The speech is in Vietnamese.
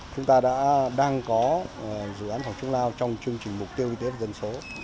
chúng ta đã đang có dự án phòng chống lao trong chương trình mục tiêu y tế dân số